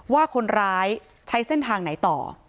ว่าคนร้ายใช้เส้นทางไหนต่อ